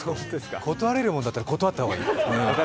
断れるもんだったら、断った方がいい。